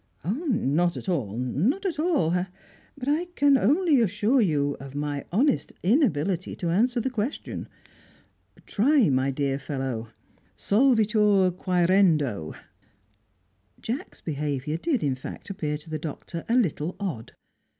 "Not at all! Not at all! But I can only assure you of my honest inability to answer the question. Try, my dear fellow! Solvitur quaerendo!" Jacks' behaviour did, in fact, appear to the Doctor a little odd.